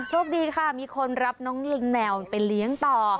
โชคดีค่ะมีคนรับน้องลิงแนวไปเลี้ยงต่อ